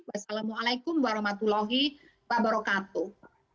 wassalamualaikum warahmatullahi wabarakatuh